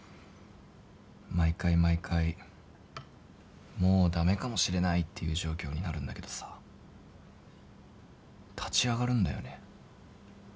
毎回毎回もう駄目かもしれないっていう状況になるんだけどさ立ち上がるんだよね。